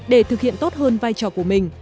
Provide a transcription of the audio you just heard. để thực hiện tốt hơn vai trò của mình